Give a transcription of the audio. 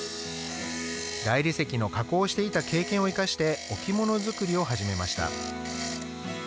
大理石の加工をしていた経験を生かして置物づくりを始めました。